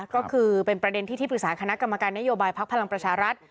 ก็คือเป็นประเด็นที่ที่ปรึกษาคณะกรรมการนโยบายพักพลังประชารัฐ